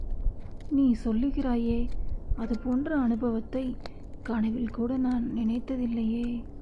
நீ சொல்லுகிறாயே அது போன்ற அநுபவத்தைக் கனவில்கூட நான் நினைத்ததில்லையே!